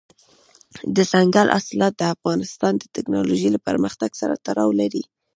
دځنګل حاصلات د افغانستان د تکنالوژۍ له پرمختګ سره تړاو لري.